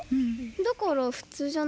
だからふつうじゃない？